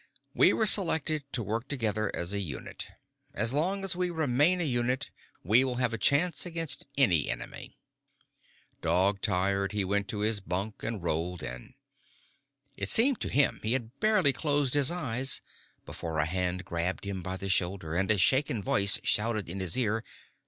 "We were selected to work together as a unit. As long as we remain a unit, we will have a chance against any enemy." Dog tired, he went to his bunk and rolled in. It seemed to him he had barely closed his eyes before a hand grabbed him by the shoulder and a shaken voice shouted in his ear.